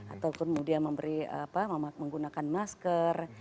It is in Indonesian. ataupun kemudian menggunakan masker